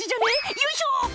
よいしょ！」